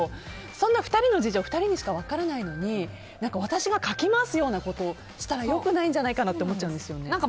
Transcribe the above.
そんな２人の事情は２人にしか分からないのに私がかき回すようなことをしたら良くないんじゃないかと思っちゃうんですよね。